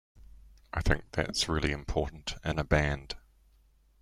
I think that's really important in a band.